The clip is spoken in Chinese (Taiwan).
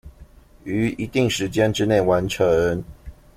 於一定時間之内完成